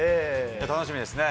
楽しみですね。